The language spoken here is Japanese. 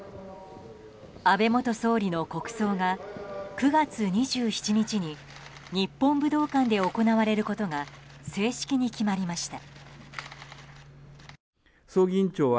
安倍元総理の国葬が９月２７日に日本武道館で行われることが正式に決まりました。